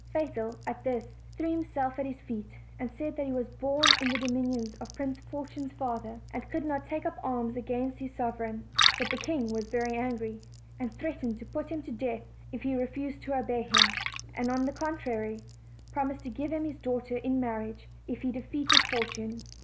Fatal, at this, threw himself at his feet, and said that he was born in the dominions of Prince Fortune's father, and could not take up arms against his sovereign. But the king was very angry, and threatened to put him to death if tie refused to obey him; and, on the contrary, promised to give him his daughter in marriage if he de feated Fortune.